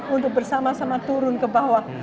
untuk bersama sama turun ke bawah